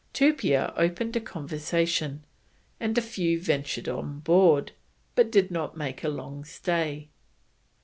Tupia opened a conversation, and a few ventured on board, but did not make a long stay.